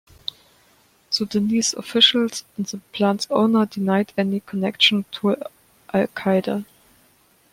Sudanese officials and the plant's owner denied any connection to Al Qaeda.